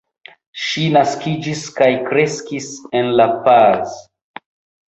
Ŝi naskiĝis kaj kreskis en La Paz.